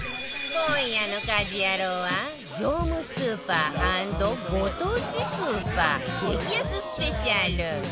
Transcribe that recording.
今夜の『家事ヤロウ！！！』は業務スーパー＆ご当地スーパー激安スペシャル